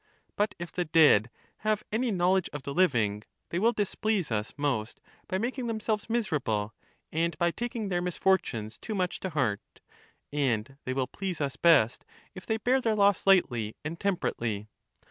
But, if the dead have any know ledge of the living, they will displease us most by making themselves miserable and by taking their misfortunes too much to heart, and they will please us best if they bear their loss lightly and temperately.